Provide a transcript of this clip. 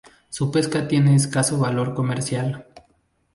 Su pesca tiene escaso valor comercial.